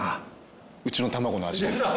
うちのたまごの味です。